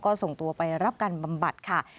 ก็ส่งตัวไปรับการบำบัดค่ะ